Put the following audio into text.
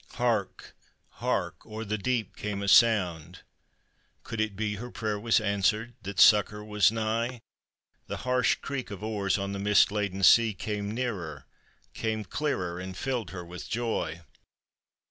Hark! hark! o'er the deep came a sound; could it be Her prayer was answered? that succor was nigh? 'The harsh creak of oars on the mist laden sea Came nearer! came clearer! and filled her with joy.